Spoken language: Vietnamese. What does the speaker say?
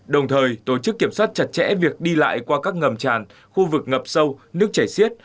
đồng thời tổ chức kiểm soát chặt chẽ việc đi lại qua các ngầm tràn khu vực ngập sâu nước chảy xiết